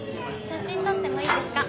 写真撮ってもいいですか？